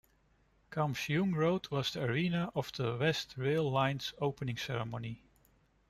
Kam Sheung Road was the arena for the West Rail Line's opening ceremony.